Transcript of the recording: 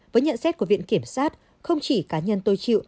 với nhận xét của viện kiểm sát không chỉ cá nhân tôi chịu